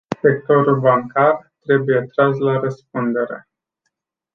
Sectorul bancar trebuie tras la răspundere.